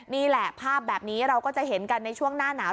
นี่แหละภาพแบบนี้เราก็จะเห็นกันในช่วงหน้าหนาว